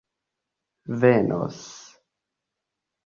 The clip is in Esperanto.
venos